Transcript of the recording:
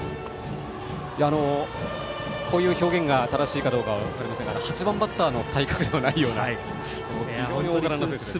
こういう表現が正しいかどうか分かりませんが８番バッターの体格ではないような非常に大柄な選手です。